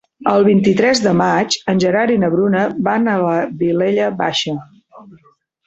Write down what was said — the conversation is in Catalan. El vint-i-tres de maig en Gerard i na Bruna van a la Vilella Baixa.